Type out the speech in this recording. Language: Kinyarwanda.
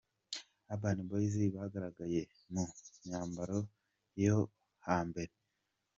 Urban Boyz bagaragaye mu myambaro yo ha mbere.